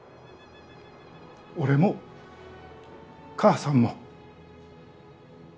俺も母さんも。